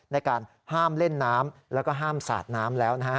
ในการห้ามเล่นน้ำแล้วก็ห้ามสาดน้ำแล้วนะฮะ